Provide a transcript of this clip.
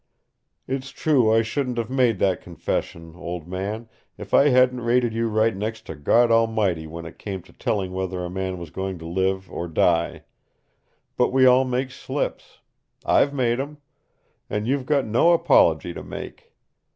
"It's true I shouldn't have made that confession, old man, if I hadn't rated you right next to God Almighty when it came to telling whether a man was going to live or die. But we all make slips. I've made 'em. And you've got no apology to make.